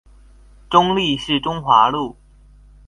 中壢市中華路